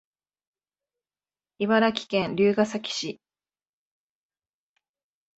茨城県龍ケ崎市